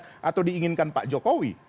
itu yang diinginkan pak jokowi